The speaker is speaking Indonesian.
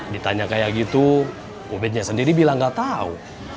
ditanya kayak gitu ubednya sendiri bilang gak tau